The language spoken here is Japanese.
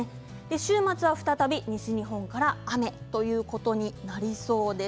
週末は再び西日本から雨ということになりそうです。